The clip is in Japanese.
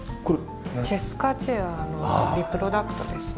チェスカチェアのリプロダクトですね。